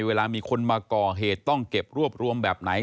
เวลามีคนมาก่อเหตุต้องเก็บรวบรวมแบบไหน